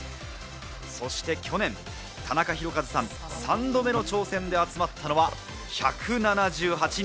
そして去年、タナカヒロカズさん、３度目の挑戦で集まったのは１７８人。